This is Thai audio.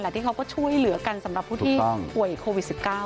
ที่เขาก็ช่วยเหลือกันสำหรับผู้ที่ป่วยโควิด๑๙